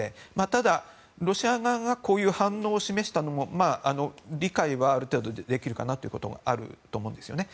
ただ、ロシア側がこういう反応を示したのも理解はある程度できるかなというのもあると思うんですね。